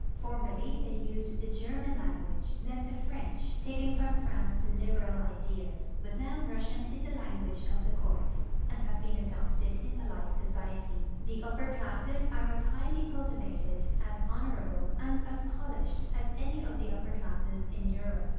Formerly they used the German lan » guage, then tlie French, taking from France liberal ideas, but now Ivussian is the language of the court and has been adopted in polite society. The upper classes are as highly cultivated, as honorable, and as polished as any of the upper classes in Europe.